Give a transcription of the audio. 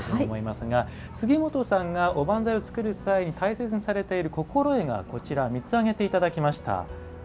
杉本さんがおばんざいを作る際に大切にされている心得を３つ挙げていただきました。